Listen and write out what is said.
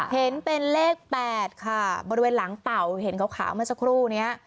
เห็นเป็นเลข๘ค่ะบริเวณหลังเต่าเห็นขาวเมื่อสักครู่นี้